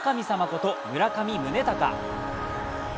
こと村上宗隆。